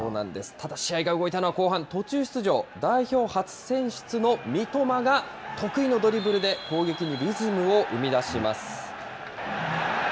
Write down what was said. ただ試合が動いたのは後半途中出場、代表初選出の三笘が、得意のドリブルで攻撃にリズムを生み出します。